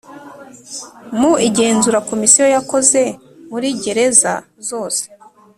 Mu igenzura Komisiyo yakoze muri gereza zose